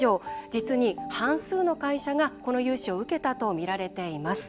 実に、半数の会社がこの融資を受けたと見られています。